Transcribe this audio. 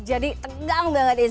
jadi tengang banget isinya